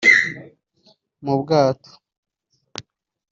mu bwato